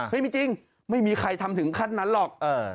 ไม่มีจริงไม่มีใครทำถึงขั้นนั้นหรอก